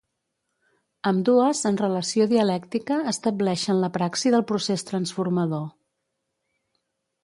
Ambdues en relació dialèctica estableixen la praxi del procés transformador.